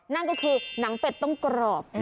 นั่นก็คือหนังเป็ดต้องกรอบ